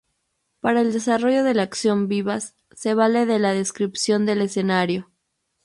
Para el desarrollo de la acción Vivas se vale de la descripción del escenario.